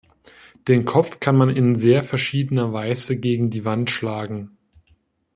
Den Kopf kann man in sehr verschiedener Weise gegen die Wand schlagen.